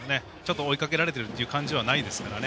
追いかけられている感じがないですからね。